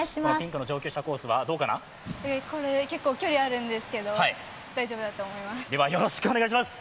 これ、結構距離あるんですけど大丈夫だと思います。